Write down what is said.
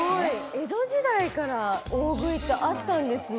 江戸時代から大食いってあったんですね。